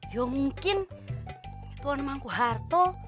ya mungkin tuan emangku harto